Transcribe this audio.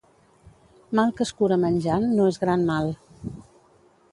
Mal que es cura menjant no és gran mal.